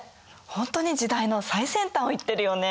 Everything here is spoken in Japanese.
ほんとに時代の最先端をいってるよね。